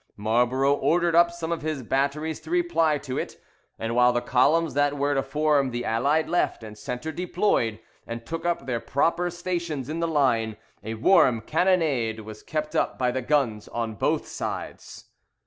Marlborough ordered up some of his batteries to reply to it, and while the columns that were to form the allied left and centre deployed, and took up their proper stations in the line, a warm cannonade was kept up by the guns on both sides.